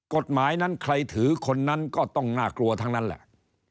กฎหมายนั้นใครถือคนนั้นก็ต้องน่ากลัวทั้งนั้นแหละ